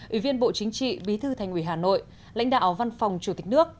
ủy viên bộ chính trị bí thư thành ủy hà nội lãnh đạo văn phòng chủ tịch nước